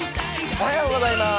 おはようございます。